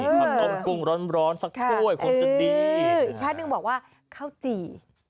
คำน้ำปรุงร้อนร้อนสักถ้วยคงจะดีอีกท่านึงบอกว่าเข้าจี